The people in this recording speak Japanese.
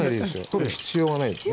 取る必要がないですね。